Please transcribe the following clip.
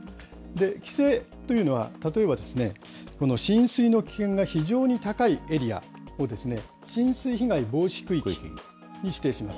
規制というのは、例えばこの浸水の危険が非常に高いエリアを、浸水被害防止区域に指定します。